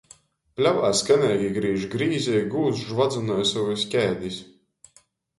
Pļovā skaneigi grīž grīze i gūvs žvadzynoj sovys kēdis.